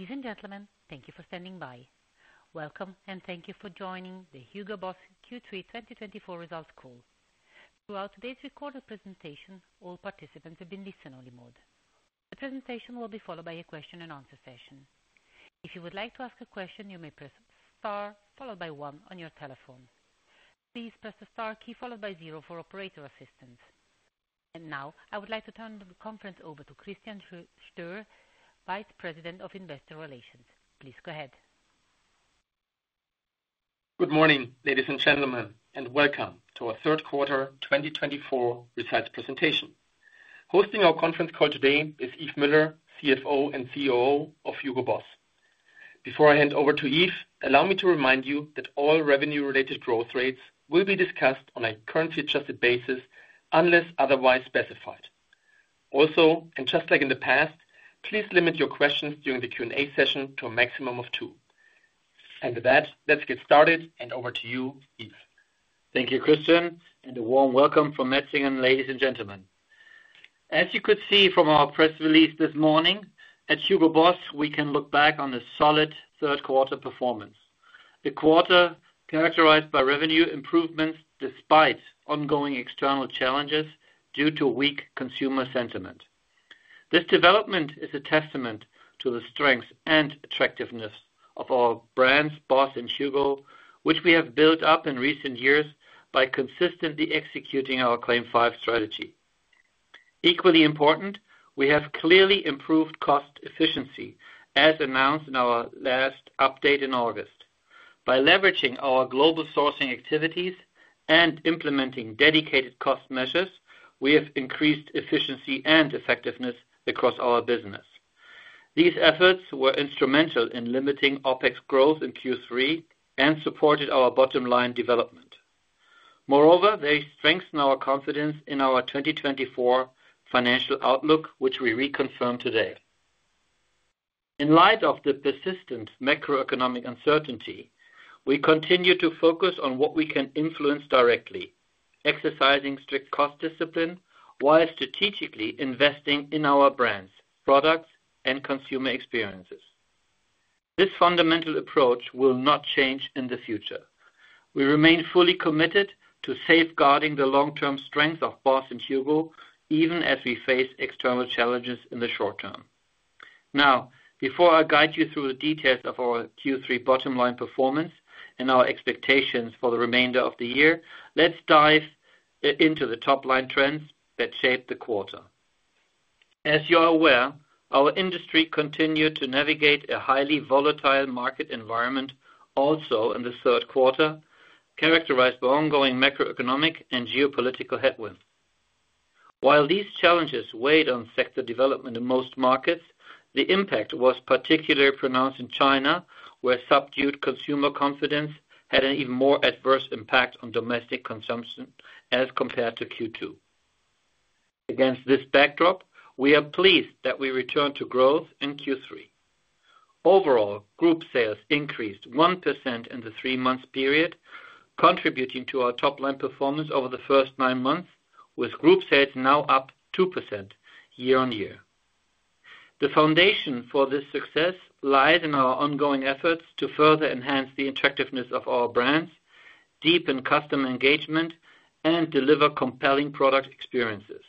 Ladies and gentlemen, thank you for standing by. Welcome, and thank you for joining the Hugo Boss Q3 2024 results call. Throughout today's recorded presentation, all participants have been in listen-only mode. The presentation will be followed by a question-and-answer session. If you would like to ask a question, you may press the star followed by one on your telephone. Please press the star key followed by zero for operator assistance. And now, I would like to turn the conference over to Christian Stöhr, Vice President of Investor Relations. Please go ahead. Good morning, ladies and gentlemen, and welcome to our third quarter 2024 results presentation. Hosting our conference call today is Yves Müller, CFO and COO of Hugo Boss. Before I hand over to Yves, allow me to remind you that all revenue-related growth rates will be discussed on a currency-adjusted basis unless otherwise specified. Also, and just like in the past, please limit your questions during the Q&A session to a maximum of two. And with that, let's get started, and over to you, Yves. Thank you, Christian, and a warm welcome from Metzingen, ladies and gentlemen. As you could see from our press release this morning, at Hugo Boss, we can look back on a solid third-quarter performance, a quarter characterized by revenue improvements despite ongoing external challenges due to weak consumer sentiment. This development is a testament to the strength and attractiveness of our brands, Boss and Hugo, which we have built up in recent years by consistently executing our Claim 5 strategy. Equally important, we have clearly improved cost efficiency, as announced in our last update in August. By leveraging our global sourcing activities and implementing dedicated cost measures, we have increased efficiency and effectiveness across our business. These efforts were instrumental in limiting OPEX growth in Q3 and supported our bottom-line development. Moreover, they strengthen our confidence in our 2024 financial outlook, which we reconfirm today. In light of the persistent macroeconomic uncertainty, we continue to focus on what we can influence directly, exercising strict cost discipline while strategically investing in our brands, products, and consumer experiences. This fundamental approach will not change in the future. We remain fully committed to safeguarding the long-term strength of Boss and Hugo, even as we face external challenges in the short term. Now, before I guide you through the details of our Q3 bottom-line performance and our expectations for the remainder of the year, let's dive into the top-line trends that shaped the quarter. As you are aware, our industry continued to navigate a highly volatile market environment, also in the third quarter, characterized by ongoing macroeconomic and geopolitical headwinds. While these challenges weighed on sector development in most markets, the impact was particularly pronounced in China, where subdued consumer confidence had an even more adverse impact on domestic consumption as compared to Q2. Against this backdrop, we are pleased that we returned to growth in Q3. Overall, group sales increased 1% in the three-month period, contributing to our top-line performance over the first nine months, with group sales now up 2% year on year. The foundation for this success lies in our ongoing efforts to further enhance the attractiveness of our brands, deepen customer engagement, and deliver compelling product experiences.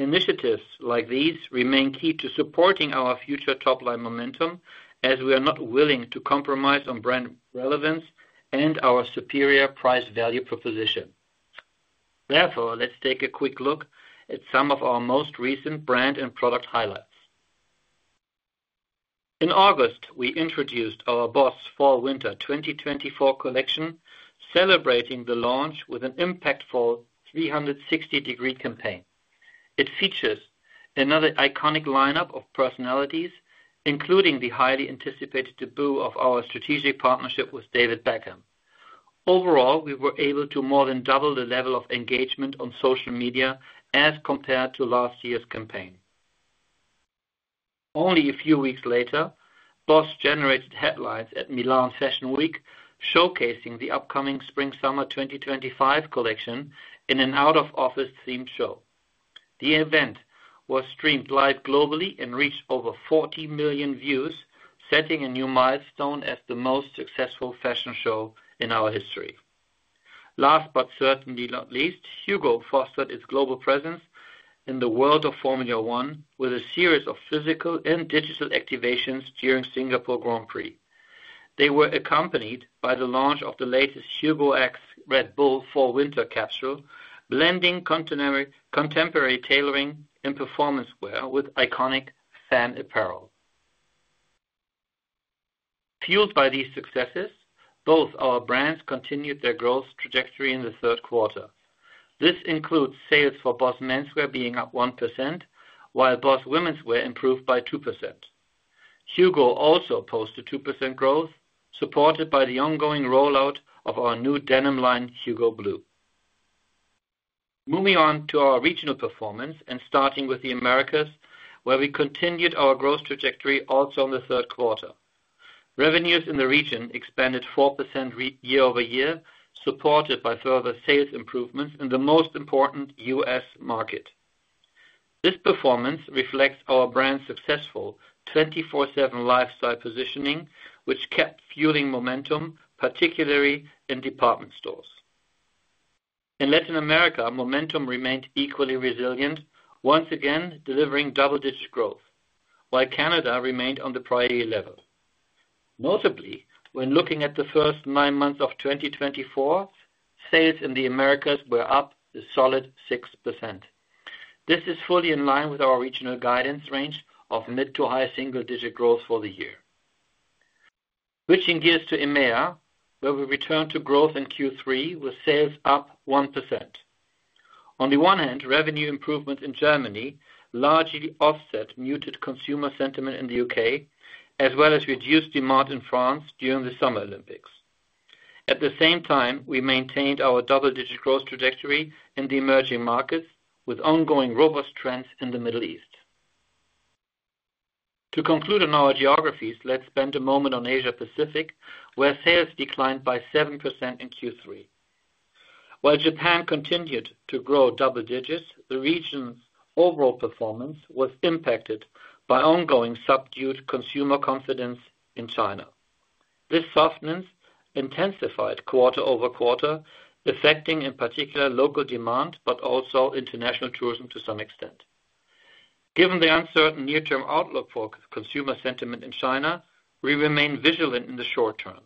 Initiatives like these remain key to supporting our future top-line momentum, as we are not willing to compromise on brand relevance and our superior price-value proposition. Therefore, let's take a quick look at some of our most recent brand and product highlights. In August, we introduced our Boss Fall/Winter 2024 collection, celebrating the launch with an impactful 360-degree campaign. It features another iconic lineup of personalities, including the highly anticipated debut of our strategic partnership with David Beckham. Overall, we were able to more than double the level of engagement on social media as compared to last year's campaign. Only a few weeks later, Boss generated headlines at Milan Fashion Week, showcasing the upcoming Spring/Summer 2025 collection in an out-of-office-themed show. The event was streamed live globally and reached over 40 million views, setting a new milestone as the most successful fashion show in our history. Last but certainly not least, Hugo fostered its global presence in the world of Formula 1 with a series of physical and digital activations during the Singapore Grand Prix. They were accompanied by the launch of the latest Hugo x Red Bull Fall/Winter capsule, blending contemporary tailoring and performance wear with iconic fan apparel. Fueled by these successes, both our brands continued their growth trajectory in the third quarter. This includes sales for Boss Menswear being up 1%, while Boss Womenswear improved by 2%. Hugo also posted 2% growth, supported by the ongoing rollout of our new denim line, Hugo Blue. Moving on to our regional performance, and starting with the Americas, where we continued our growth trajectory also in the third quarter. Revenues in the region expanded 4% year over year, supported by further sales improvements in the most important US market. This performance reflects our brand's successful 24/7 Lifestyle positioning, which kept fueling momentum, particularly in department stores. In Latin America, momentum remained equally resilient, once again delivering double-digit growth, while Canada remained on the priority level. Notably, when looking at the first nine months of 2024, sales in the Americas were up a solid 6%. This is fully in line with our regional guidance range of mid to high single-digit growth for the year. Switching gears to EMEA, where we returned to growth in Q3, with sales up 1%. On the one hand, revenue improvements in Germany largely offset muted consumer sentiment in the UK, as well as reduced demand in France during the Summer Olympics. At the same time, we maintained our double-digit growth trajectory in the emerging markets, with ongoing robust trends in the Middle East. To conclude on our geographies, let's spend a moment on Asia-Pacific, where sales declined by 7% in Q3. While Japan continued to grow double digits, the region's overall performance was impacted by ongoing subdued consumer confidence in China. This softness intensified quarter over quarter, affecting in particular local demand, but also international tourism to some extent. Given the uncertain near-term outlook for consumer sentiment in China, we remain vigilant in the short term.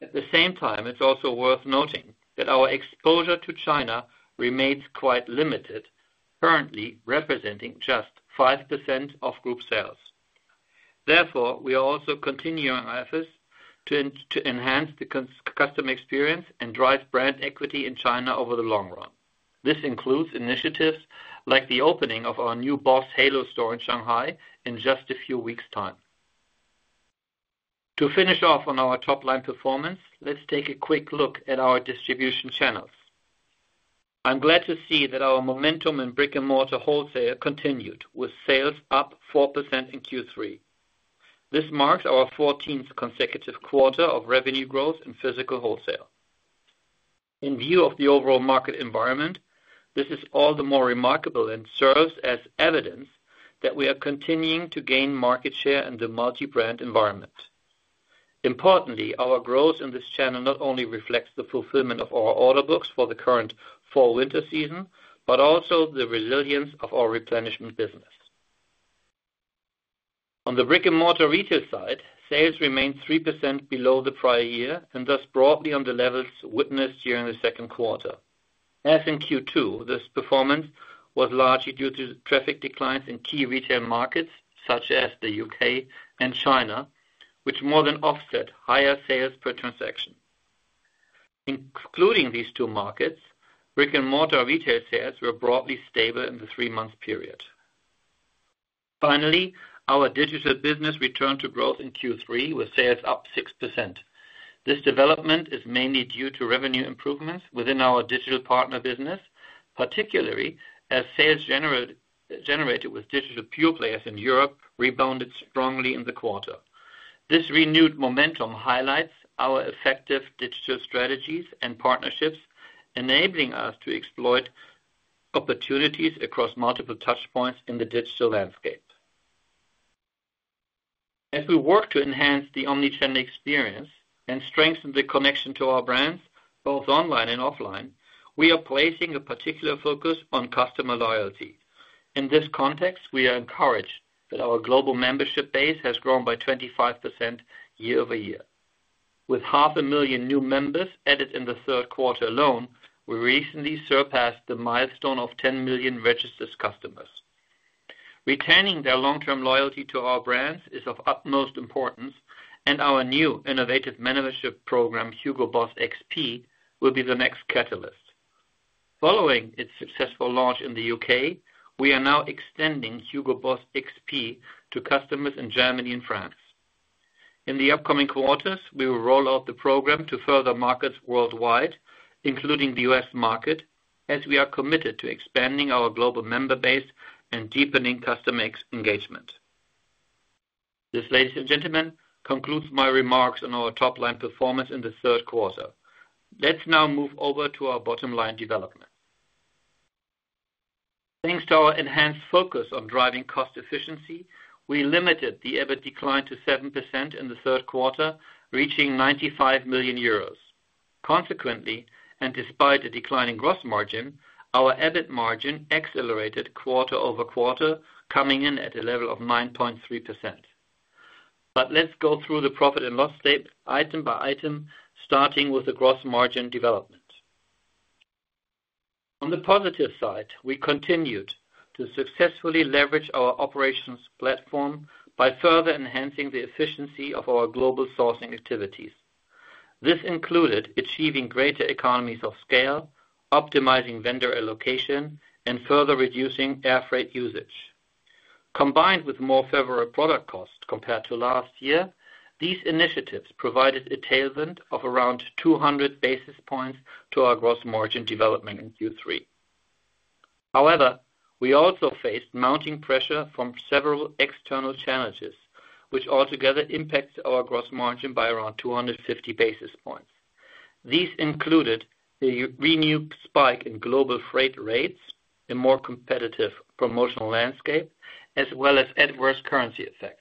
At the same time, it's also worth noting that our exposure to China remains quite limited, currently representing just 5% of group sales. Therefore, we are also continuing our efforts to enhance the customer experience and drive brand equity in China over the long run. This includes initiatives like the opening of our new Boss Halo store in Shanghai in just a few weeks' time. To finish off on our top-line performance, let's take a quick look at our distribution channels. I'm glad to see that our momentum in brick-and-mortar wholesale continued, with sales up 4% in Q3. This marks our 14th consecutive quarter of revenue growth in physical wholesale. In view of the overall market environment, this is all the more remarkable and serves as evidence that we are continuing to gain market share in the multi-brand environment. Importantly, our growth in this channel not only reflects the fulfillment of our order books for the current Fall/Winter season, but also the resilience of our replenishment business. On the brick-and-mortar retail side, sales remained 3% below the prior year and thus broadly on the levels witnessed during the second quarter. As in Q2, this performance was largely due to traffic declines in key retail markets such as the UK and China, which more than offset higher sales per transaction. Including these two markets, brick-and-mortar retail sales were broadly stable in the three-month period. Finally, our digital business returned to growth in Q3, with sales up 6%. This development is mainly due to revenue improvements within our digital partner business, particularly as sales generated with digital pure players in Europe rebounded strongly in the quarter. This renewed momentum highlights our effective digital strategies and partnerships, enabling us to exploit opportunities across multiple touchpoints in the digital landscape. As we work to enhance the omnichannel experience and strengthen the connection to our brands, both online and offline, we are placing a particular focus on customer loyalty. In this context, we are encouraged that our global membership base has grown by 25% year over year. With 500,000 new members added in the third quarter alone, we recently surpassed the milestone of 10 million registered customers. Retaining their long-term loyalty to our brands is of utmost importance, and our new innovative membership program, Hugo Boss XP, will be the next catalyst. Following its successful launch in the UK, we are now extending Hugo Boss XP to customers in Germany and France. In the upcoming quarters, we will roll out the program to further markets worldwide, including the US market, as we are committed to expanding our global member base and deepening customer engagement. This, ladies and gentlemen, concludes my remarks on our top-line performance in the third quarter. Let's now move over to our bottom-line development. Thanks to our enhanced focus on driving cost efficiency, we limited the EBIT decline to 7% in the third quarter, reaching 95 million euros. Consequently, and despite a declining gross margin, our EBIT margin accelerated quarter over quarter, coming in at a level of 9.3%. But let's go through the profit and loss item by item, starting with the gross margin development. On the positive side, we continued to successfully leverage our operations platform by further enhancing the efficiency of our global sourcing activities. This included achieving greater economies of scale, optimizing vendor allocation, and further reducing air freight usage. Combined with more favorable product costs compared to last year, these initiatives provided a tailwind of around 200 basis points to our gross margin development in Q3. However, we also faced mounting pressure from several external challenges, which altogether impacted our gross margin by around 250 basis points. These included the renewed spike in global freight rates, a more competitive promotional landscape, as well as adverse currency effects.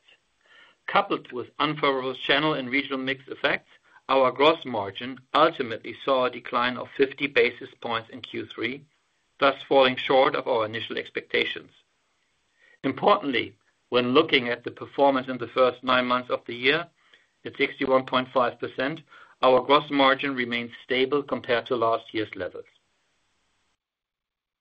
Coupled with unfavorable channel and regional mix effects, our gross margin ultimately saw a decline of 50 basis points in Q3, thus falling short of our initial expectations. Importantly, when looking at the performance in the first nine months of the year at 61.5%, our gross margin remained stable compared to last year's levels.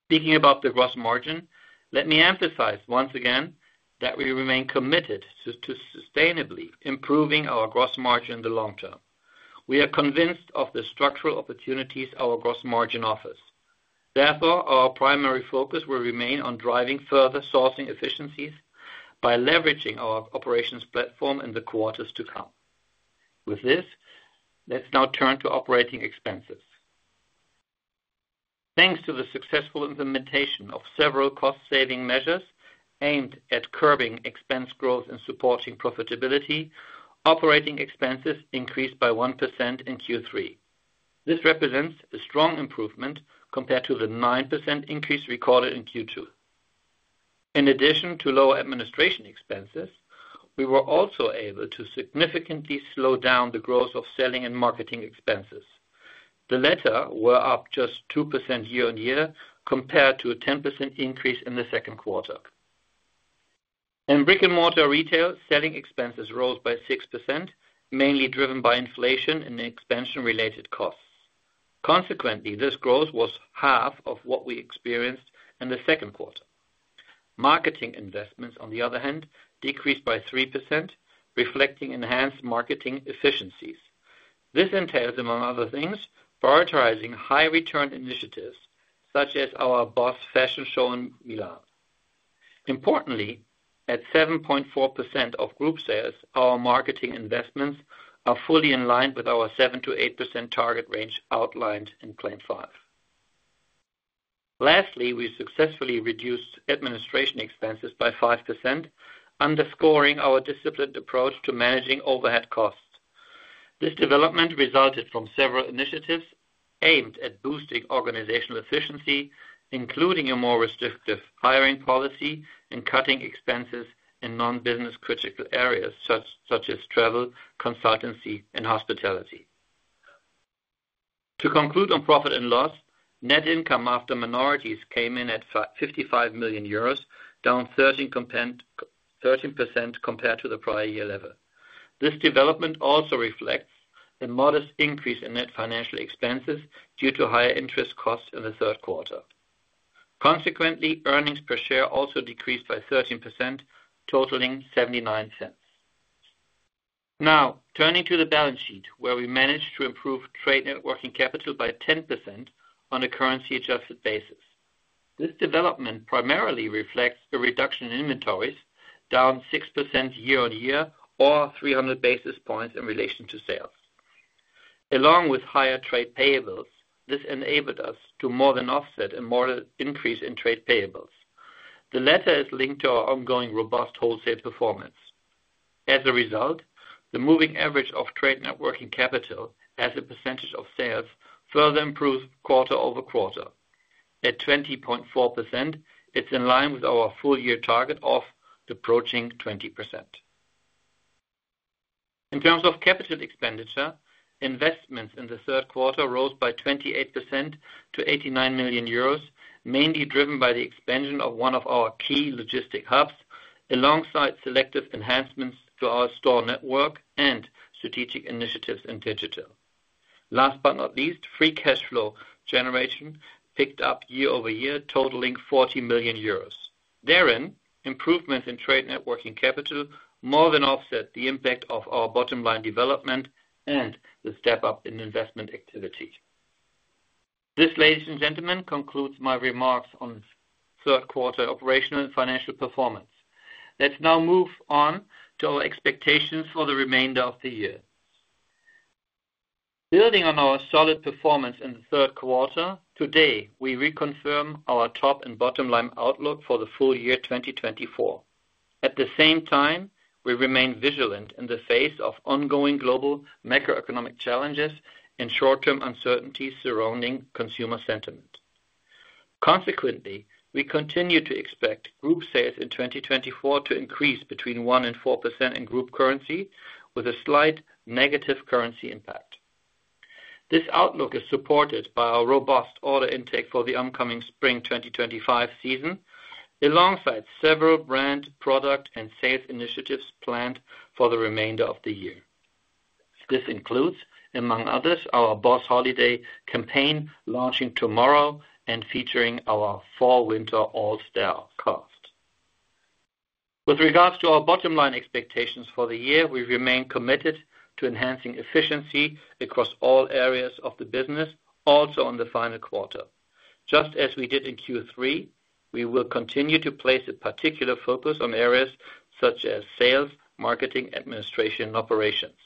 Speaking about the gross margin, let me emphasize once again that we remain committed to sustainably improving our gross margin in the long term. We are convinced of the structural opportunities our gross margin offers. Therefore, our primary focus will remain on driving further sourcing efficiencies by leveraging our operations platform in the quarters to come. With this, let's now turn to operating expenses. Thanks to the successful implementation of several cost-saving measures aimed at curbing expense growth and supporting profitability, operating expenses increased by 1% in Q3. This represents a strong improvement compared to the 9% increase recorded in Q2. In addition to lower administration expenses, we were also able to significantly slow down the growth of selling and marketing expenses. The latter were up just 2% year on year compared to a 10% increase in the second quarter. In brick-and-mortar retail, selling expenses rose by 6%, mainly driven by inflation and expansion-related costs. Consequently, this growth was half of what we experienced in the second quarter. Marketing investments, on the other hand, decreased by 3%, reflecting enhanced marketing efficiencies. This entails, among other things, prioritizing high-return initiatives such as our Boss Fashion Show in Milan. Importantly, at 7.4% of group sales, our marketing investments are fully in line with our 7%-8% target range outlined in Claim 5. Lastly, we successfully reduced administration expenses by 5%, underscoring our disciplined approach to managing overhead costs. This development resulted from several initiatives aimed at boosting organizational efficiency, including a more restrictive hiring policy and cutting expenses in non-business-critical areas such as travel, consultancy, and hospitality. To conclude on profit and loss, net income after minorities came in at €55 million, down 13% compared to the prior year level. This development also reflects a modest increase in net financial expenses due to higher interest costs in the third quarter. Consequently, earnings per share also decreased by 13%, totaling €0.79. Now, turning to the balance sheet, where we managed to improve trade networking capital by 10% on a currency-adjusted basis. This development primarily reflects a reduction in inventories, down 6% year on year, or 300 basis points in relation to sales. Along with higher trade payables, this enabled us to more than offset a moderate increase in trade payables. The latter is linked to our ongoing robust wholesale performance. As a result, the moving average of trade networking capital as a percentage of sales further improves quarter over quarter. At 20.4%, it's in line with our full-year target of approaching 20%. In terms of capital expenditure, investments in the third quarter rose by 28% to € 89 million, mainly driven by the expansion of one of our key logistics hubs, alongside selective enhancements to our store network and strategic initiatives in digital. Last but not least, free cash flow generation picked up year over year, totaling € 40 million. Therein, improvements in net working capital more than offset the impact of our bottom-line development and the step-up in investment activity. This, ladies and gentlemen, concludes my remarks on third quarter operational and financial performance. Let's now move on to our expectations for the remainder of the year. Building on our solid performance in the third quarter, today we reconfirm our top and bottom-line outlook for the full year 2024. At the same time, we remain vigilant in the face of ongoing global macroeconomic challenges and short-term uncertainties surrounding consumer sentiment. Consequently, we continue to expect group sales in 2024 to increase between 1% and 4% in group currency, with a slight negative currency impact. This outlook is supported by our robust order intake for the upcoming Spring 2025 season, alongside several brand product and sales initiatives planned for the remainder of the year. This includes, among others, our Boss Holiday Campaign launching tomorrow and featuring our Fall/Winter all-style coat. With regards to our bottom-line expectations for the year, we remain committed to enhancing efficiency across all areas of the business, also in the final quarter. Just as we did in Q3, we will continue to place a particular focus on areas such as sales, marketing, administration, and operations.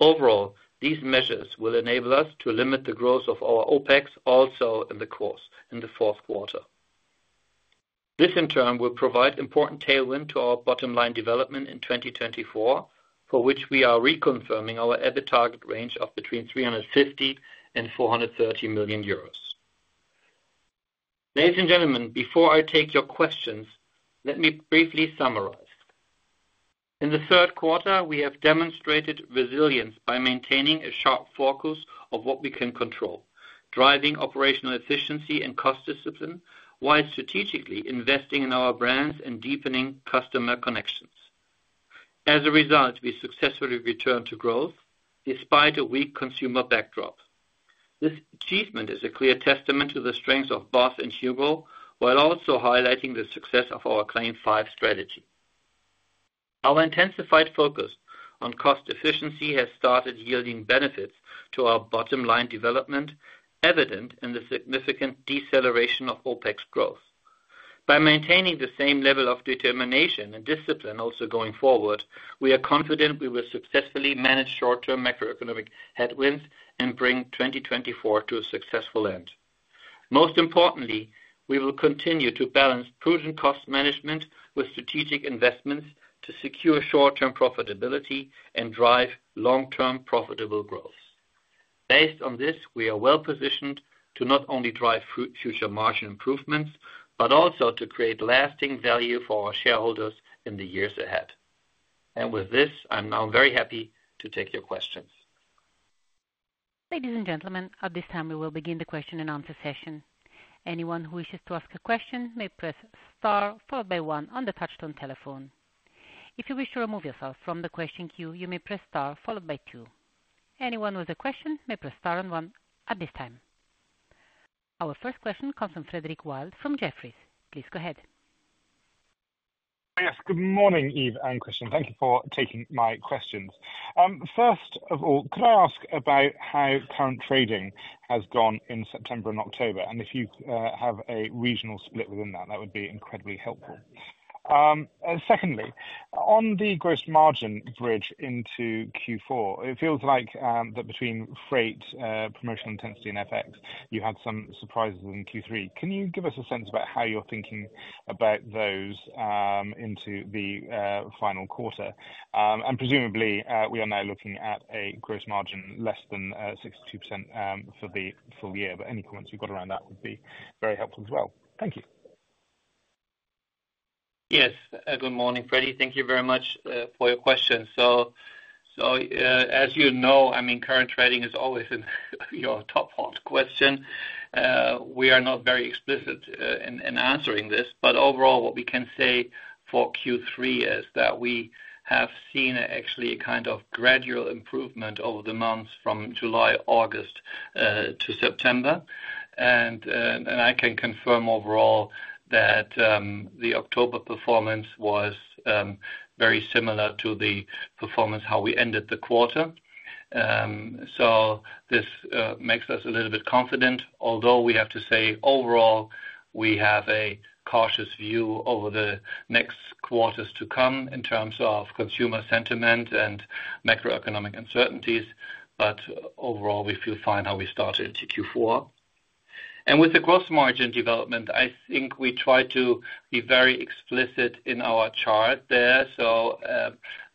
Overall, these measures will enable us to limit the growth of our OPEX also in the course in the fourth quarter. This, in turn, will provide important tailwind to our bottom-line development in 2024, for which we are reconfirming our EBIT target range of between € 350 and € 430 million. Ladies and gentlemen, before I take your questions, let me briefly summarize. In the third quarter, we have demonstrated resilience by maintaining a sharp focus of what we can control, driving operational efficiency and cost discipline, while strategically investing in our brands and deepening customer connections. As a result, we successfully returned to growth despite a weak consumer backdrop. This achievement is a clear testament to the strength of Boss and Hugo, while also highlighting the success of our Claim 5 strategy. Our intensified focus on cost efficiency has started yielding benefits to our bottom-line development, evident in the significant deceleration of OpEx growth. By maintaining the same level of determination and discipline also going forward, we are confident we will successfully manage short-term macroeconomic headwinds and bring 2024 to a successful end. Most importantly, we will continue to balance prudent cost management with strategic investments to secure short-term profitability and drive long-term profitable growth. Based on this, we are well positioned to not only drive future margin improvements, but also to create lasting value for our shareholders in the years ahead. And with this, I'm now very happy to take your questions. Ladies and gentlemen, at this time, we will begin the question and answer session. Anyone who wishes to ask a question may press Star followed by 1 on the touch-tone telephone. If you wish to remove yourself from the question queue, you may press Star followed by 2. Anyone with a question may press Star and 1 at this time. Our first question comes from Frederick Wild from Jefferies. Please go ahead. Yes, good morning, Yves and Christian. Thank you for taking my questions. First of all, could I ask about how current trading has gone in September and October? And if you have a regional split within that, that would be incredibly helpful. Secondly, on the gross margin bridge into Q4, it feels like that between freight, promotional intensity, and FX, you had some surprises in Q3. Can you give us a sense about how you're thinking about those into the final quarter? And presumably, we are now looking at a gross margin less than 62% for the full year. But any comments you've got around that would be very helpful as well. Thank you. Yes, good morning, Freddie. Thank you very much for your question. So, as you know, I mean, current trading is always your top hot question. We are not very explicit in answering this. But overall, what we can say for Q3 is that we have seen actually a kind of gradual improvement over the months from July, August to September. And I can confirm overall that the October performance was very similar to the performance how we ended the quarter. So this makes us a little bit confident, although we have to say overall, we have a cautious view over the next quarters to come in terms of consumer sentiment and macroeconomic uncertainties. But overall, we feel fine how we started into Q4. With the gross margin development, I think we tried to be very explicit in our chart there.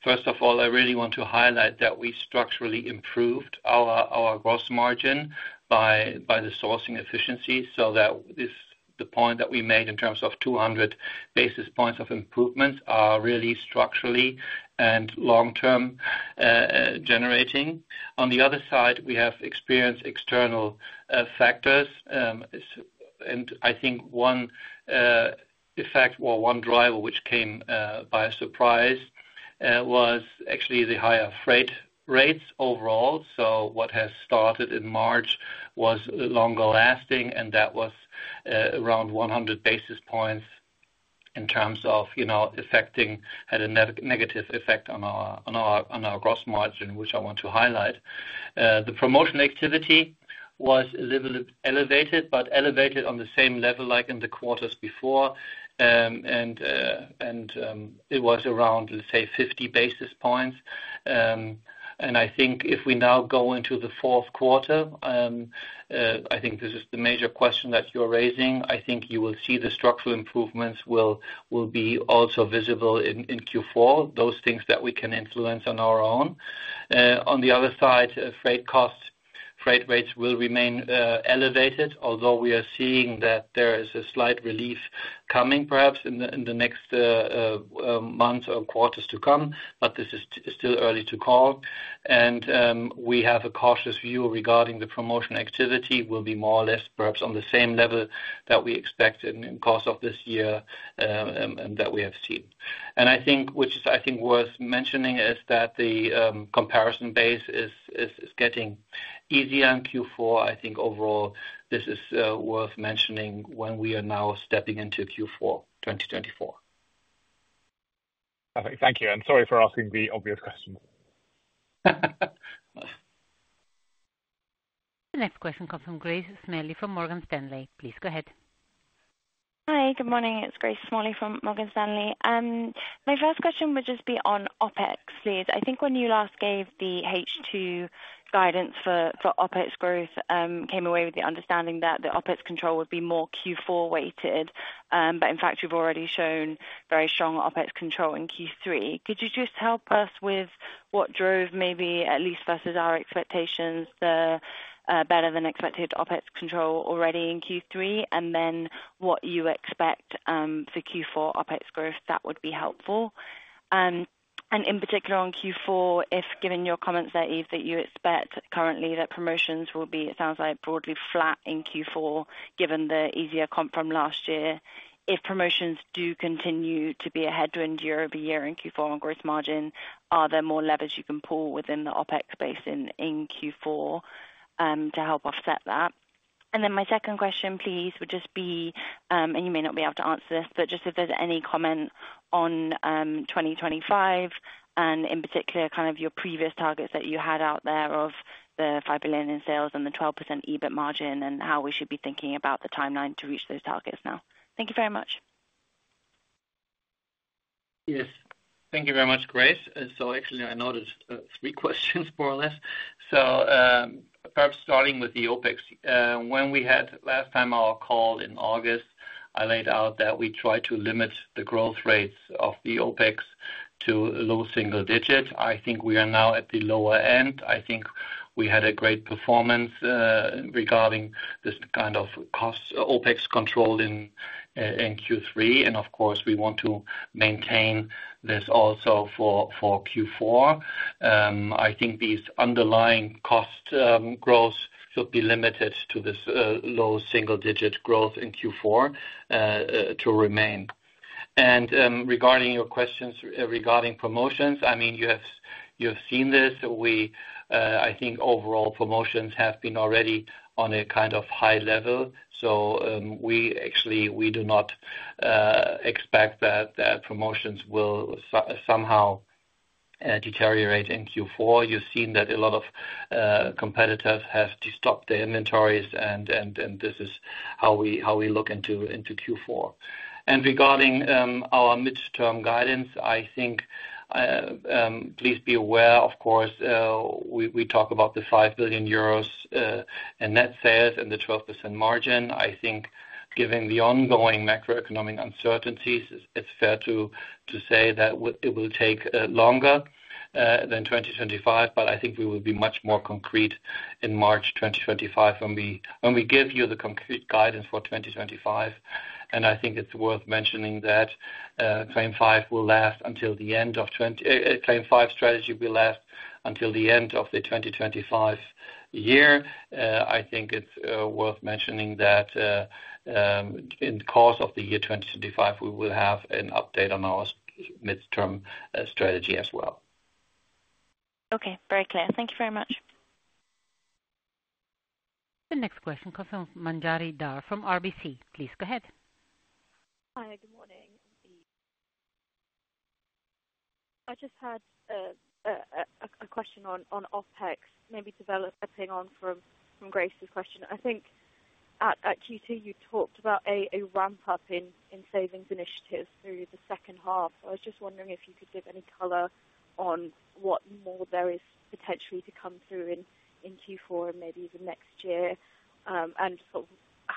First of all, I really want to highlight that we structurally improved our gross margin by the sourcing efficiencies. That is the point that we made in terms of 200 basis points of improvement are really structurally and long-term generating. On the other side, we have experienced external factors. I think one effect or one driver which came by surprise was actually the higher freight rates overall. What has started in March was longer lasting, and that was around 100 basis points in terms of affecting had a negative effect on our gross margin, which I want to highlight. The promotional activity was a little elevated, but elevated on the same level like in the quarters before. It was around, let's say, 50 basis points. I think if we now go into the fourth quarter, I think this is the major question that you're raising. I think you will see the structural improvements will be also visible in Q4, those things that we can influence on our own. On the other side, freight costs, freight rates will remain elevated, although we are seeing that there is a slight relief coming perhaps in the next months or quarters to come. But this is still early to call. We have a cautious view regarding the promotional activity will be more or less perhaps on the same level that we expect in the course of this year and that we have seen. I think which is, I think, worth mentioning is that the comparison base is getting easier in Q4. I think overall, this is worth mentioning when we are now stepping into Q4 2024. Perfect. Thank you. And sorry for asking the obvious question. The next question comes from Grace Smalley from Morgan Stanley. Please go ahead. Hi, good morning. It's Grace Smalley from Morgan Stanley. My first question would just be on OPEX, please. I think when you last gave the H2 guidance for OPEX growth, came away with the understanding that the OPEX control would be more Q4 weighted. But in fact, you've already shown very strong OPEX control in Q3. Could you just help us with what drove maybe at least versus our expectations, the better than expected OPEX control already in Q3? And then what you expect for Q4 OPEX growth, that would be helpful. And in particular on Q4, if given your comments there, Yves, that you expect currently that promotions will be, it sounds like, broadly flat in Q4 given the easier comp from last year. If promotions do continue to be a headwind year over year in Q4 on gross margin, are there more levers you can pull within the OPEX space in Q4 to help offset that? And then my second question, please, would just be, and you may not be able to answer this, but just if there's any comment on 2025 and in particular kind of your previous targets that you had out there of the €5 billion in sales and the 12% EBIT margin and how we should be thinking about the timeline to reach those targets now. Thank you very much. Yes, thank you very much, Grace. So actually, I noticed three questions more or less. So perhaps starting with the OPEX, when we had last time our call in August, I laid out that we tried to limit the growth rates of the OPEX to low single digits. I think we are now at the lower end. I think we had a great performance regarding this kind of cost OpEx control in Q3, and of course, we want to maintain this also for Q4. I think these underlying cost growth should be limited to this low single digit growth in Q4 to remain, and regarding your questions regarding promotions, I mean, you have seen this. I think overall promotions have been already on a kind of high level, so we actually do not expect that promotions will somehow deteriorate in Q4. You've seen that a lot of competitors have stopped their inventories, and this is how we look into Q4, and regarding our midterm guidance, I think please be aware, of course, we talk about the 5 billion euros in net sales and the 12% margin. I think given the ongoing macroeconomic uncertainties, it's fair to say that it will take longer than 2025. But I think we will be much more concrete in March 2025 when we give you the concrete guidance for 2025. And I think it's worth mentioning that the Claim 5 strategy will last until the end of 2025. I think it's worth mentioning that in the course of the year 2025, we will have an update on our midterm strategy as well. Okay, very clear. Thank you very much. The next question comes from Manjari Dhar from RBC. Please go ahead. Hi, good morning. I just had a question on OPEX, maybe developing on from Grace's question. I think at Q2, you talked about a ramp-up in savings initiatives through the second half. I was just wondering if you could give any color on what more there is potentially to come through in Q4 and maybe even next year, and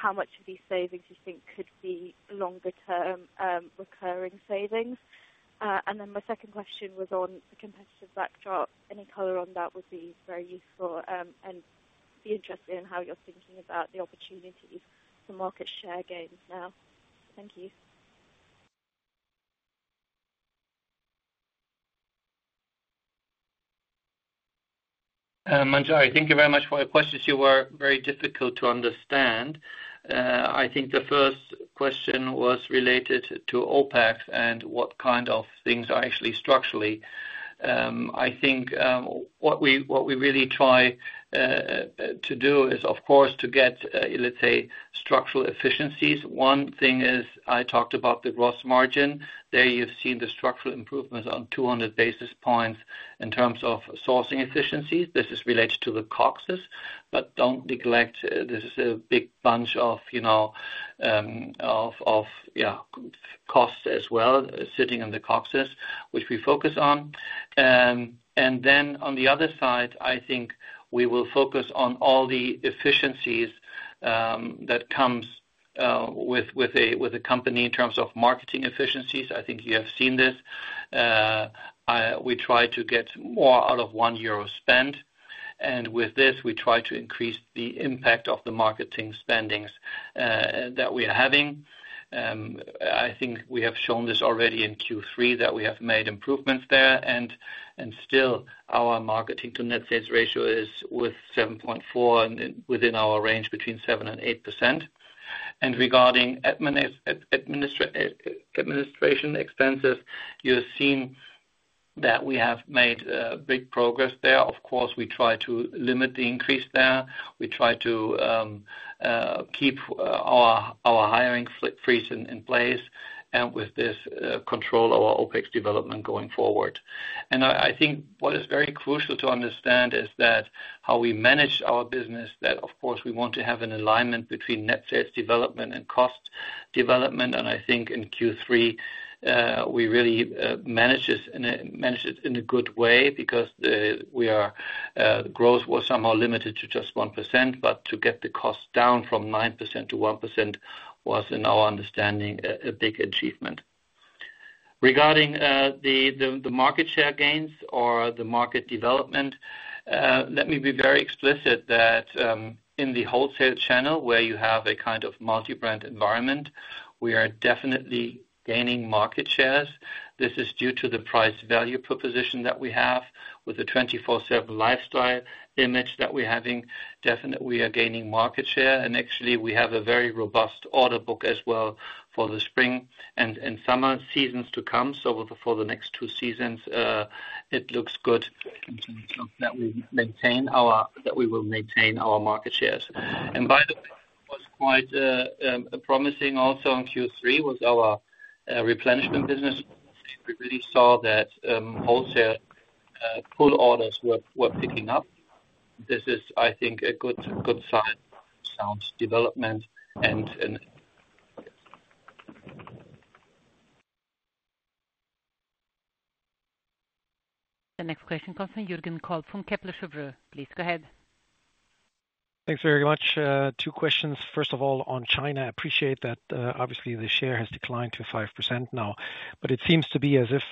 how much of these savings you think could be longer-term recurring savings. And then my second question was on the competitive backdrop. Any color on that would be very useful and be interested in how you're thinking about the opportunities for market share gains now. Thank you. Manjari, thank you very much for your questions. You were very difficult to understand. I think the first question was related to OPEX and what kind of things are actually structurally. I think what we really try to do is, of course, to get, let's say, structural efficiencies. One thing is I talked about the gross margin. There you've seen the structural improvements on 200 basis points in terms of sourcing efficiencies. This is related to the COGS. But don't neglect this is a big bunch of, yeah, costs as well sitting in the COGS, which we focus on. And then on the other side, I think we will focus on all the efficiencies that come with a company in terms of marketing efficiencies. I think you have seen this. We try to get more out of 1 euro spent. And with this, we try to increase the impact of the marketing spending that we are having. I think we have shown this already in Q3 that we have made improvements there. And still, our marketing to net sales ratio is with 7.4% and within our range between 7% and 8%. And regarding administration expenses, you have seen that we have made big progress there. Of course, we try to limit the increase there. We try to keep our hiring freeze in place and with this control our OPEX development going forward. And I think what is very crucial to understand is that how we manage our business, that of course, we want to have an alignment between net sales development and cost development. And I think in Q3, we really managed it in a good way because the growth was somehow limited to just 1%. But to get the cost down from 9% to 1% was, in our understanding, a big achievement. Regarding the market share gains or the market development, let me be very explicit that in the wholesale channel where you have a kind of multi-brand environment, we are definitely gaining market shares. This is due to the price value proposition that we have with the 24/7 lifestyle image that we're having. Definitely, we are gaining market share. Actually, we have a very robust order book as well for the spring and summer seasons to come. So for the next two seasons, it looks good that we will maintain our market shares. By the way, what's quite promising also in Q3 was our replenishment business. We really saw that wholesale pull orders were picking up. This is, I think, a good sign of development. The next question comes from Jürgen Kolb from Kepler Cheuvreux. Please go ahead. Thanks very much. Two questions. First of all, on China, I appreciate that obviously the share has declined to 5% now. But it seems to be as if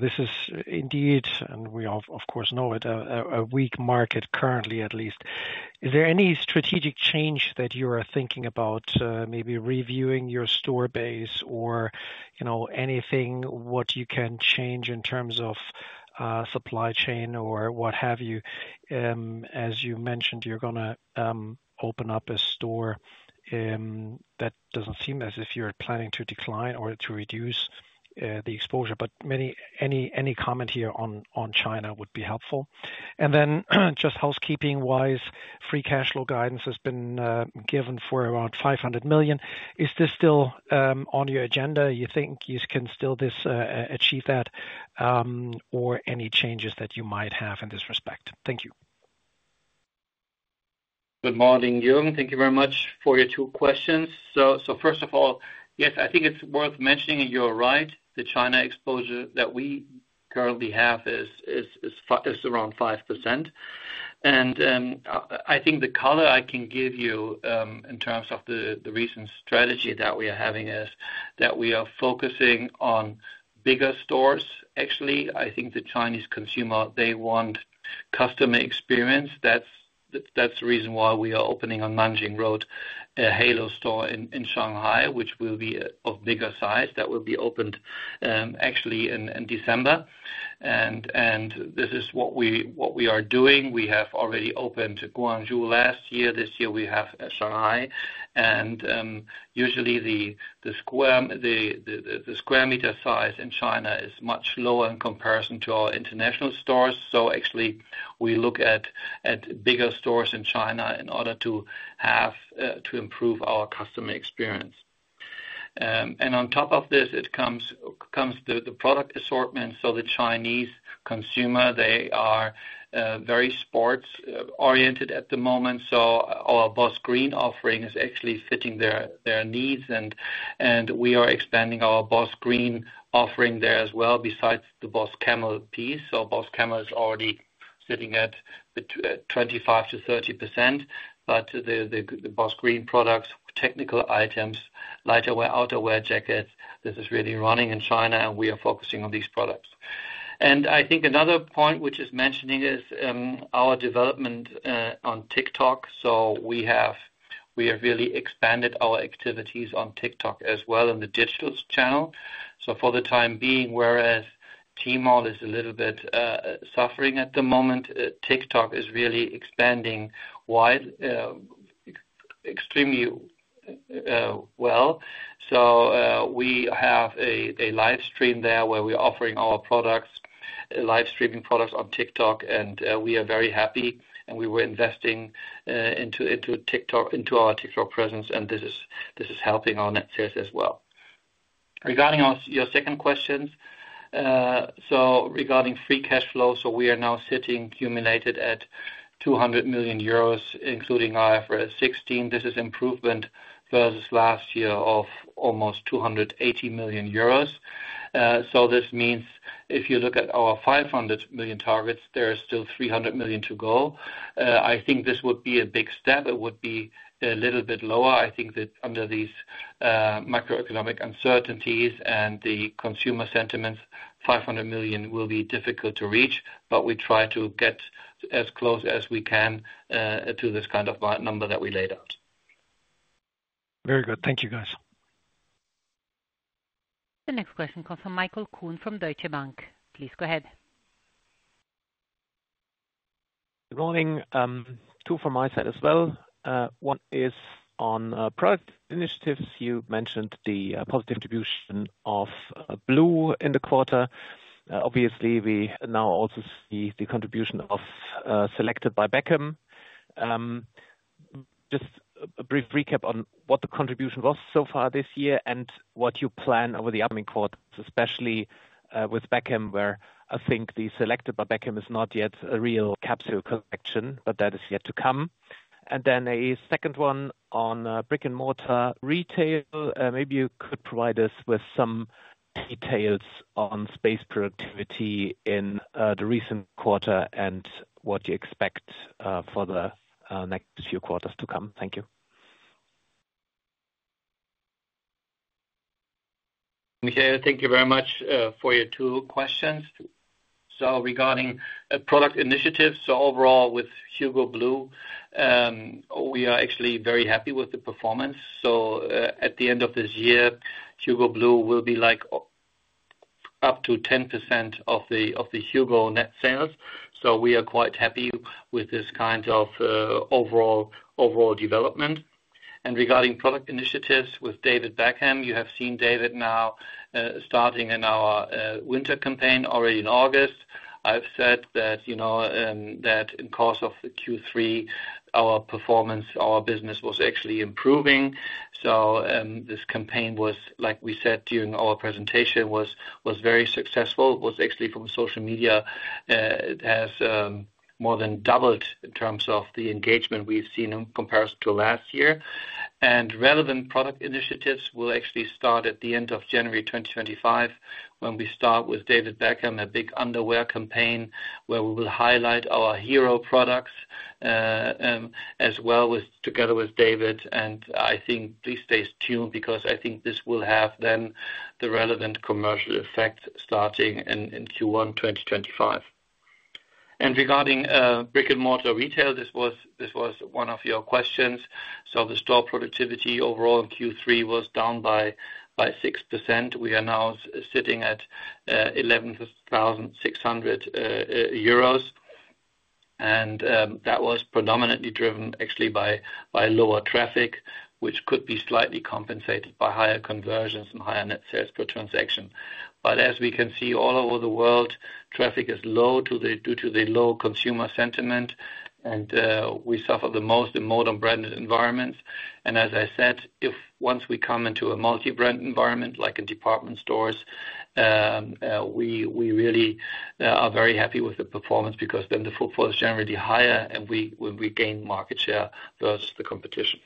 this is indeed, and we of course know it, a weak market currently at least. Is there any strategic change that you are thinking about, maybe reviewing your store base or anything, what you can change in terms of supply chain or what have you? As you mentioned, you're going to open up a store. That doesn't seem as if you're planning to decline or to reduce the exposure. But any comment here on China would be helpful. And then just housekeeping-wise, free cash flow guidance has been given for around €500 million. Is this still on your agenda? You think you can still achieve that or any changes that you might have in this respect? Thank you. Good morning, Jürgen. Thank you very much for your two questions. So first of all, yes, I think it's worth mentioning you're right. The China exposure that we currently have is around 5%. I think the color I can give you in terms of the recent strategy that we are having is that we are focusing on bigger stores. Actually, I think the Chinese consumer, they want customer experience. That's the reason why we are opening on Nanjing Road, a Halo store in Shanghai, which will be of bigger size that will be opened actually in December. This is what we are doing. We have already opened Guangzhou last year. This year, we have Shanghai. Usually, the square meter size in China is much lower in comparison to our international stores. So actually, we look at bigger stores in China in order to improve our customer experience. On top of this, it comes the product assortment. So the Chinese consumer, they are very sports-oriented at the moment. So our Boss Green offering is actually fitting their needs. We are expanding our Boss Green offering there as well besides the Boss Camel piece. So Boss Camel is already sitting at 25%-30%. But the Boss Green products, technical items, lighter wear, outerwear, jackets, this is really running in China, and we are focusing on these products. I think another point which is mentioning is our development on TikTok. We have really expanded our activities on TikTok as well in the digital channel. For the time being, whereas Tmall is a little bit suffering at the moment, TikTok is really expanding wide, extremely well. We have a live stream there where we're offering our products, live streaming products on TikTok. We are very happy. We were investing into our TikTok presence, and this is helping our net sales as well. Regarding your second questions, so regarding free cash flow, so we are now sitting cumulated at €200 million, including IFRS 16. This is improvement versus last year of almost €280 million. So this means if you look at our €500 million targets, there is still €300 million to go. I think this would be a big step. It would be a little bit lower. I think that under these macroeconomic uncertainties and the consumer sentiments, €500 million will be difficult to reach. But we try to get as close as we can to this kind of number that we laid out. Very good. Thank you, guys. The next question comes from Michael Kuhn from Deutsche Bank. Please go ahead. Good morning. Two from my side as well. One is on product initiatives. You mentioned the positive distribution of Blue in the quarter. Obviously, we now also see the contribution of Selected by Beckham. Just a brief recap on what the contribution was so far this year and what you plan over the upcoming quarters, especially with Beckham, where I think the Selected by Beckham is not yet a real capsule collection, but that is yet to come. And then a second one on brick-and-mortar retail. Maybe you could provide us with some details on space productivity in the recent quarter and what you expect for the next few quarters to come. Thank you. Michael, thank you very much for your two questions. So regarding product initiatives, so overall with HUGO Blue, we are actually very happy with the performance. So at the end of this year, HUGO Blue will be up to 10% of the HUGO net sales. So we are quite happy with this kind of overall development. Regarding product initiatives with David Beckham, you have seen David now starting in our winter campaign already in August. I've said that in the course of Q3, our performance, our business was actually improving. This campaign was, like we said during our presentation, very successful. It was actually from social media. It has more than doubled in terms of the engagement we've seen in comparison to last year. Relevant product initiatives will actually start at the end of January 2025 when we start with David Beckham a big underwear campaign where we will highlight our hero products as well together with David. I think please stay tuned because I think this will have then the relevant commercial effect starting in Q1 2025. Regarding brick-and-mortar retail, this was one of your questions. The store productivity overall in Q3 was down by 6%. We are now sitting at €11,600. And that was predominantly driven actually by lower traffic, which could be slightly compensated by higher conversions and higher net sales per transaction. But as we can see all over the world, traffic is low due to the low consumer sentiment. And we suffer the most in modern branded environments. And as I said, once we come into a multi-brand environment like in department stores, we really are very happy with the performance because then the footfall is generally higher and we gain market share versus the competition.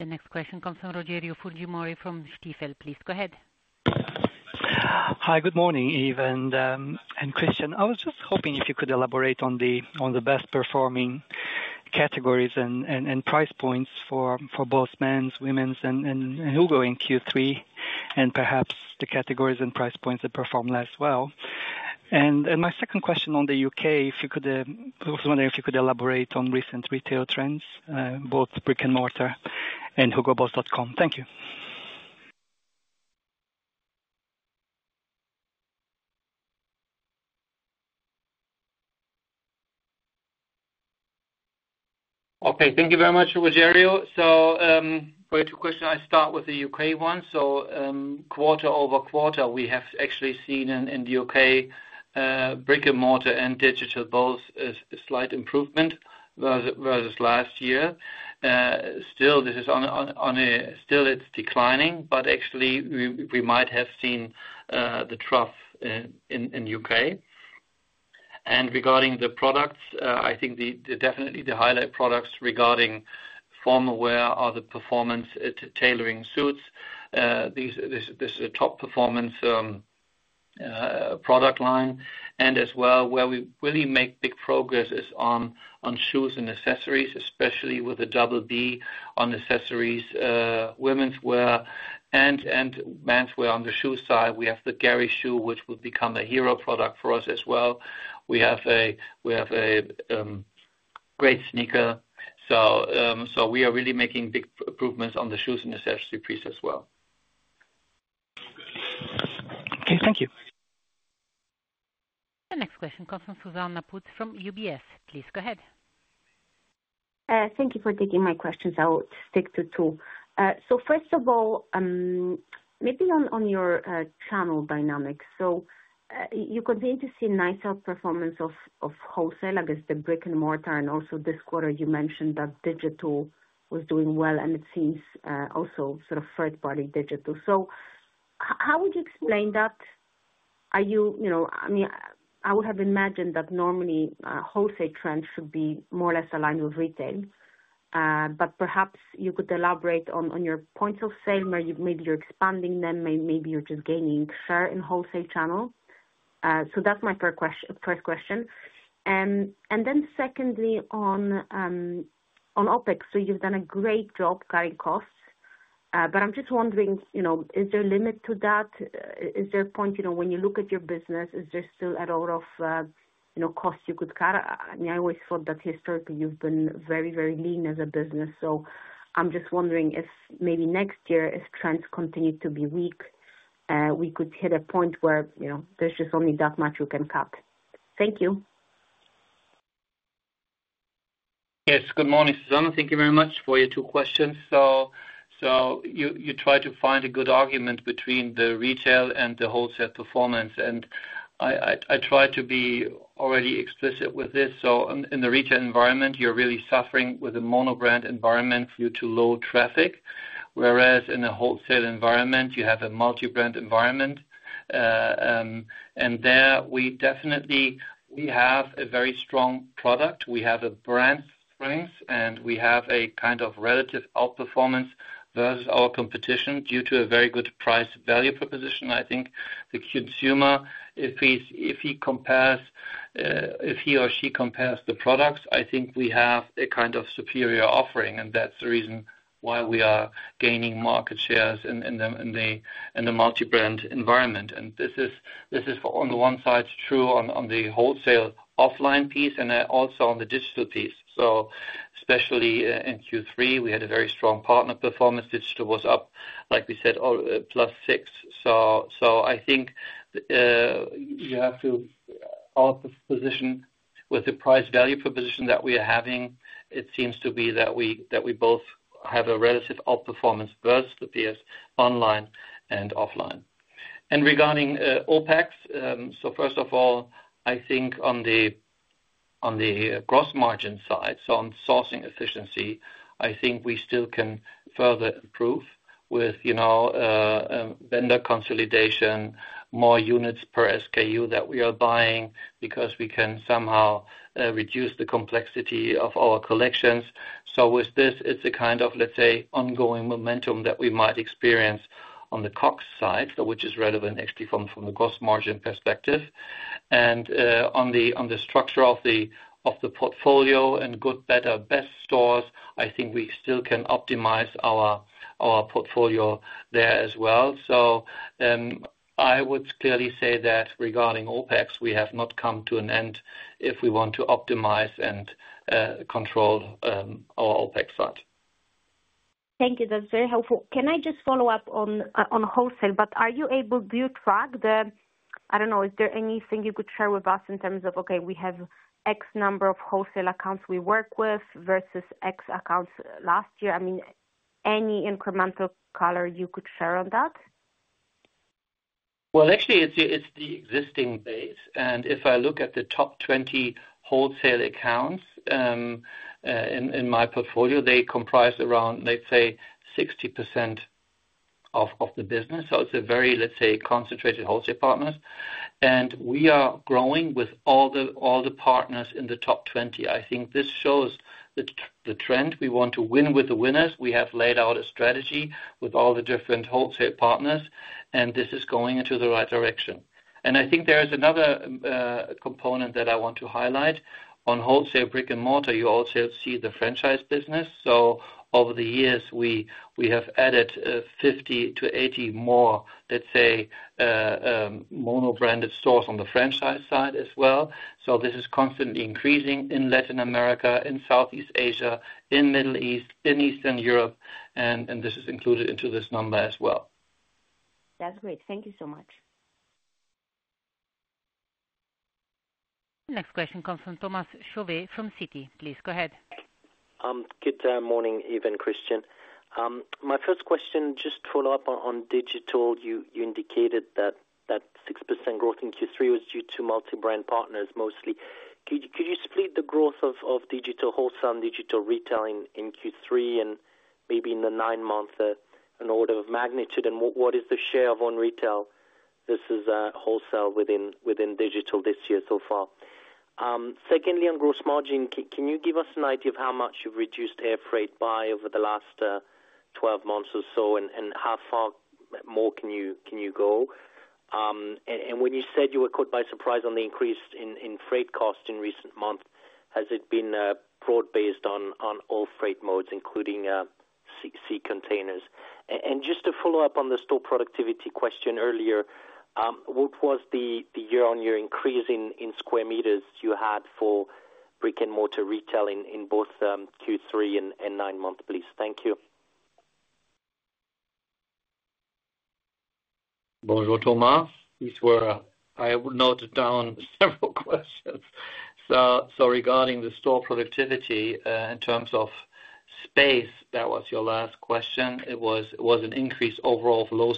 The next question comes from Rogerio Fujimori from Stifel. Please go ahead. Hi, good morning, Yves and Christian. I was just hoping if you could elaborate on the best performing categories and price points for both men's, women's, and Hugo in Q3, and perhaps the categories and price points that perform less well. My second question on the UK, if you could. I was wondering if you could elaborate on recent retail trends, both brick-and-mortar and HugoBoss.com. Thank you. Okay. Thank you very much, Rogério. For your two questions, I start with the UK one. Quarter over quarter, we have actually seen in the UK, brick-and-mortar and digital both a slight improvement versus last year. Still, this is still declining. But actually, we might have seen the trough in UK. Regarding the products, I think definitely the highlight products regarding formal wear are the performance tailoring suits. This is a top performance product line. And as well, where we really make big progress is on shoes and accessories, especially with the Double B on accessories, women's wear, and men's wear on the shoe side. We have the Gehry shoe, which will become a hero product for us as well. We have a great sneaker. So we are really making big improvements on the shoes and accessory piece as well. Okay. Thank you. The next question comes from Zuzanna Pusz from UBS. Please go ahead. Thank you for taking my questions. I will stick to two. So first of all, maybe on your channel dynamics, so you continue to see nicer performance of wholesale against the brick-and-mortar. And also this quarter, you mentioned that digital was doing well, and it seems also sort of third-party digital. So how would you explain that? I mean, I would have imagined that normally wholesale trends should be more or less aligned with retail. But perhaps you could elaborate on your points of sale where maybe you're expanding them, maybe you're just gaining share in wholesale channel. So that's my first question. And then secondly, on OPEX, so you've done a great job cutting costs. But I'm just wondering, is there a limit to that? Is there a point when you look at your business, is there still a lot of costs you could cut? I mean, I always thought that historically you've been very, very lean as a business. So I'm just wondering if maybe next year, if trends continue to be weak, we could hit a point where there's just only that much you can cut. Thank you. Yes. Good morning, Zuzanna. Thank you very much for your two questions. So you try to find a good argument between the retail and the wholesale performance. And I try to be already explicit with this. So in the retail environment, you're really suffering with a monobrand environment due to low traffic, whereas in a wholesale environment, you have a multi-brand environment. And there we definitely have a very strong product. We have a brand strength, and we have a kind of relative outperformance versus our competition due to a very good price-value proposition. I think the consumer, if he compares, if he or she compares the products, I think we have a kind of superior offering. And that's the reason why we are gaining market shares in the multi-brand environment. And this is on the one side true on the wholesale offline piece and also on the digital piece. So especially in Q3, we had a very strong partner performance. Digital was up, like we said, plus six. So I think you have to position with the price-value proposition that we are having. It seems to be that we both have a relative outperformance versus the peers online and offline. And regarding OPEX, so first of all, I think on the gross margin side, so on sourcing efficiency, I think we still can further improve with vendor consolidation, more units per SKU that we are buying because we can somehow reduce the complexity of our collections. So with this, it's a kind of, let's say, ongoing momentum that we might experience on the COGS side, which is relevant actually from the gross margin perspective. And on the structure of the portfolio and good, better, best stores, I think we still can optimize our portfolio there as well. So I would clearly say that regarding OPEX, we have not come to an end if we want to optimize and control our OPEX side. Thank you. That's very helpful. Can I just follow up on wholesale? But are you able to track the, I don't know, is there anything you could share with us in terms of, okay, we have X number of wholesale accounts we work with versus X accounts last year? I mean, any incremental color you could share on that? Well, actually, it's the existing base. And if I look at the top 20 wholesale accounts in my portfolio, they comprise around, let's say, 60% of the business. So it's a very, let's say, concentrated wholesale partners. And we are growing with all the partners in the top 20. I think this shows the trend. We want to win with the winners. We have laid out a strategy with all the different wholesale partners, and this is going into the right direction. And I think there is another component that I want to highlight. On wholesale brick-and-mortar, you also see the franchise business. So over the years, we have added 50-80 more, let's say, monobranded stores on the franchise side as well. So this is constantly increasing in Latin America, in Southeast Asia, in the Middle East, in Eastern Europe. And this is included into this number as well. That's great. Thank you so much. The next question comes from Thomas Chauvet from Citi. Please go ahead. Good morning, Yves and Christian. My first question, just follow up on digital. You indicated that 6% growth in Q3 was due to multi-brand partners mostly. Could you split the growth of digital wholesale, digital retail in Q3 and maybe in the nine-month order of magnitude? And what is the share of own retail versus wholesale within digital this year so far? Secondly, on gross margin, can you give us an idea of how much you've reduced air freight by over the last 12 months or so, and how far more can you go? And when you said you were caught by surprise on the increase in freight costs in recent months, has it been broad-based on all freight modes, including sea containers? And just to follow up on the store productivity question earlier, what was the year-on-year increase in square meters you had for brick-and-mortar retail in both Q3 and nine-month, please? Thank you. Bonjour, Thomas. I would note down several questions. So regarding the store productivity in terms of space, that was your last question. It was an increase overall for low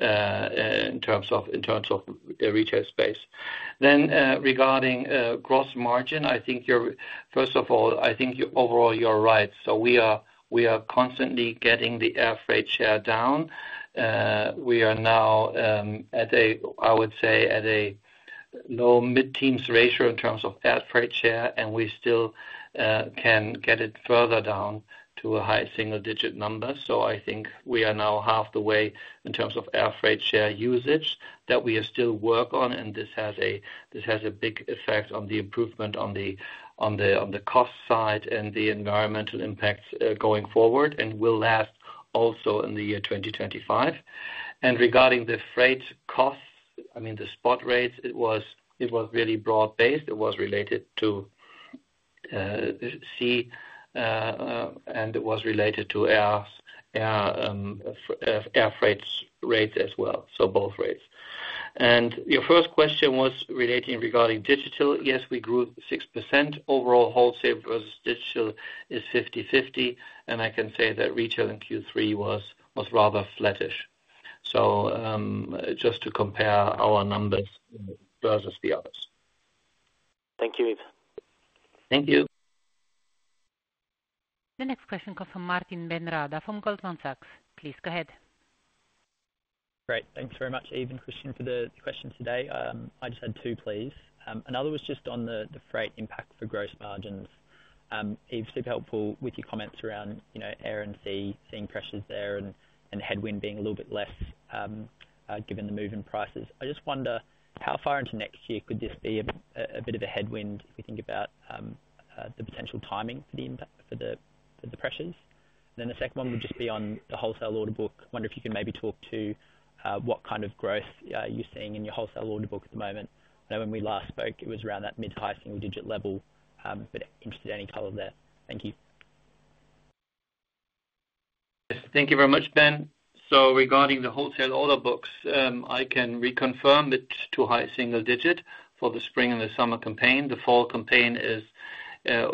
single-digit in terms of retail space. Then regarding gross margin, I think you're, first of all, I think overall you're right. So we are constantly getting the air freight share down. We are now, I would say, at a low mid-teens ratio in terms of air freight share, and we still can get it further down to a high single-digit number. So I think we are now half the way in terms of air freight share usage that we are still working on, and this has a big effect on the improvement on the cost side and the environmental impacts going forward and will last also in the year 2025. And regarding the freight costs, I mean, the spot rates, it was really broad-based. It was related to sea, and it was related to air freight rates as well, so both rates. And your first question was relating regarding digital. Yes, we grew 6%. Overall wholesale versus digital is 50/50. And I can say that retail in Q3 was rather flattish. So just to compare our numbers versus the others. Thank you, Yves. Thank you. The next question comes from Martin Benrada from Goldman Sachs. Please go ahead. Great. Thanks very much, Yves and Christian, for the questions today. I just had two, please. Another was just on the freight impact for gross margins. Yves, super helpful with your comments around air and sea, seeing pressures there and headwind being a little bit less given the move in prices. I just wonder how far into next year could this be a bit of a headwind if we think about the potential timing for the pressures? And then the second one would just be on the wholesale order book. I wonder if you can maybe talk to what kind of growth you're seeing in your wholesale order book at the moment. I know when we last spoke, it was around that mid-to-high single-digit level, but interested in any color there. Thank you. Thank you very much, Ben. So regarding the wholesale order books, I can reconfirm it's two- to high single-digit for the spring and the summer campaign. The fall campaign is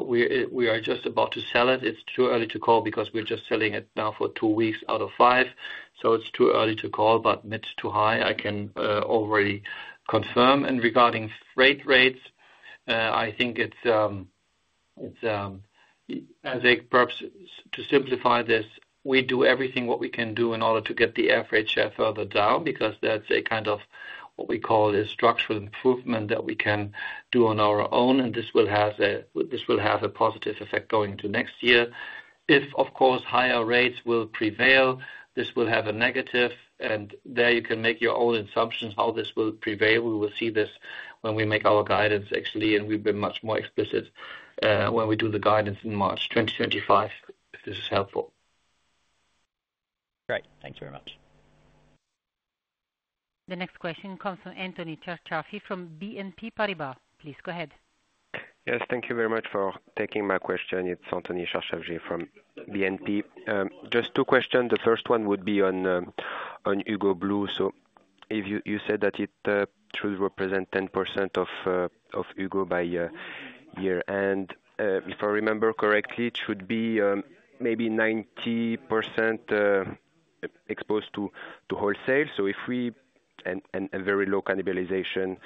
we are just about to sell it. It's too early to call because we're just selling it now for two weeks out of five. So it's too early to call, but mid- to high, I can already confirm. And regarding freight rates, I think it's, perhaps to simplify this, we do everything what we can do in order to get the air freight share further down because that's a kind of what we call a structural improvement that we can do on our own. And this will have a positive effect going into next year. If, of course, higher rates will prevail, this will have a negative, and there you can make your own assumptions how this will prevail. We will see this when we make our guidance, actually, and we've been much more explicit when we do the guidance in March 2025, if this is helpful. Great. Thank you very much. The next question comes from Anthony Charchafji from BNP Paribas. Please go ahead. Yes. Thank you very much for taking my question. It's Anthony Charchafji from BNP. Just two questions. The first one would be on Hugo Blue. So you said that it should represent 10% of Hugo by year-end. If I remember correctly, it should be maybe 90% exposed to wholesale, and very low cannibalization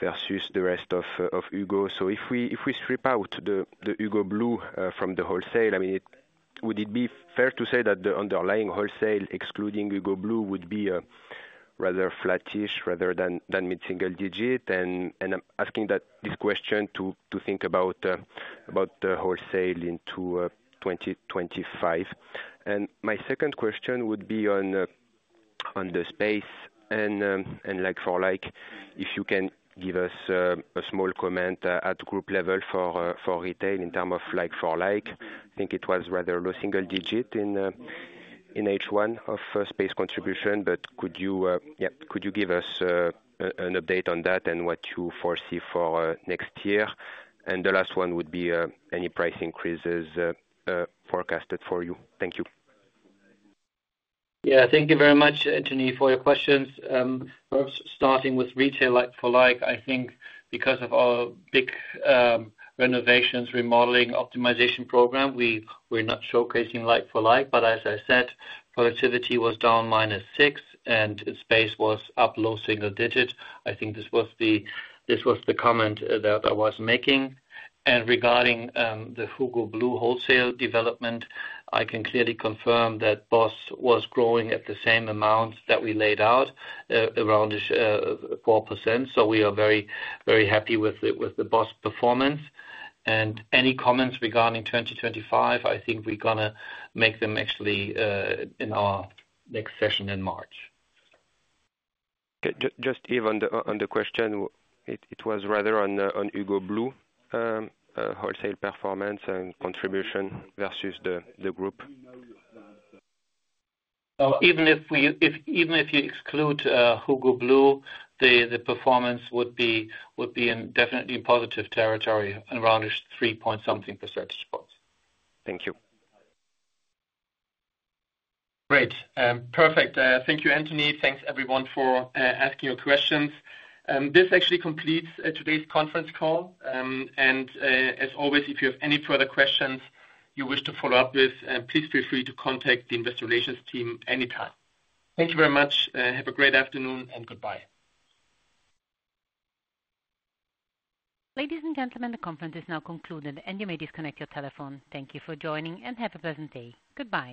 versus the rest of Hugo. So if we strip out the Hugo Blue from the wholesale, I mean, would it be fair to say that the underlying wholesale excluding Hugo Blue would be rather flattish rather than mid-single digit? And I'm asking this question to think about wholesale into 2025. And my second question would be on the space and like-for-like, if you can give us a small comment at group level for retail in terms of like-for-like. I think it was rather low single digit in H1 of space contribution. But could you give us an update on that and what you foresee for next year? And the last one would be any price increases forecasted for you. Thank you. Yeah. Thank you very much, Anthony, for your questions. Perhaps starting with retail like-for-like, I think because of our big renovations, remodeling, optimization program, we're not showcasing like-for-like. But as I said, productivity was down minus six, and space was up low single digit. I think this was the comment that I was making. And regarding the Hugo Blue wholesale development, I can clearly confirm that BOSS was growing at the same amount that we laid out, around 4%. So we are very, very happy with the BOSS performance. And any comments regarding 2025, I think we're going to make them actually in our next session in March. Just even on the question, it was rather on Hugo Blue wholesale performance and contribution versus the group. So even if you exclude Hugo Blue, the performance would be definitely in positive territory around three point something percentage points. Thank you. Great. Perfect. Thank you, Anthony. Thanks, everyone, for asking your questions. This actually completes today's conference call. And as always, if you have any further questions you wish to follow up with, please feel free to contact the investigations team anytime. Thank you very much. Have a great afternoon and goodbye. Ladies and gentlemen, the conference is now concluded, and you may disconnect your telephone. Thank you for joining and have a pleasant day. Goodbye.